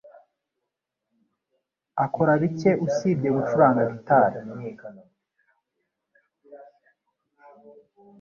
akora bike usibye gucuranga gitari.